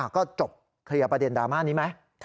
ก็จบเคลียร์ประเด็นดราม่านี้ไหม